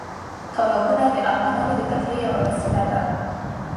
تالابونه د افغانانو د تفریح یوه وسیله ده.